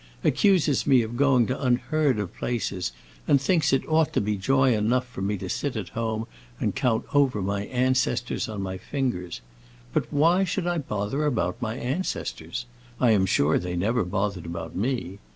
accuses me of going to unheard of places, and thinks it ought to be joy enough for me to sit at home and count over my ancestors on my fingers. But why should I bother about my ancestors? I am sure they never bothered about me.